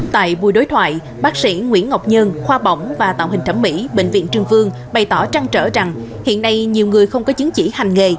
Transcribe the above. tại buổi đối thoại bác sĩ nguyễn ngọc nhân khoa bỏng và tạo hình thẩm mỹ bệnh viện trương vương bày tỏ trăng trở rằng hiện nay nhiều người không có chứng chỉ hành nghề